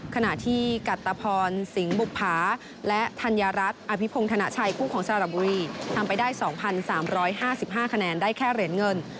ขณะที่กัตตะพรสิงห์บุภาและธัญรัฐอภิพงธนชัยคู่ของสระบุรีทำไปได้๒๓๕๕คะแนนได้แค่เหรียญเงิน